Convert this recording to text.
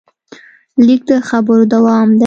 لیک د خبرو دوام دی.